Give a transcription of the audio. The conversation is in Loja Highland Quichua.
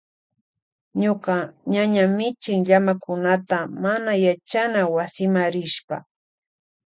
Ñuka ñaña michin llamakunata mana yachana wasima rishpa.